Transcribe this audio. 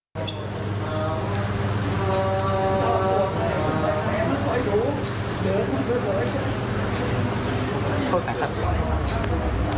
อย่างง่ายดายโหว่แม่อยู่ให้หัวพ่อเลย